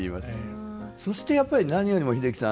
そしてやっぱり何よりも英樹さん